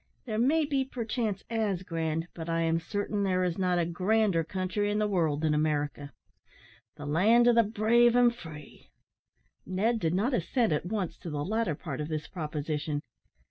There may be, perchance, as grand, but I am certain there is not a grander country in the world than America the land of the brave and free." Ned did not assent at once to the latter part of this proposition.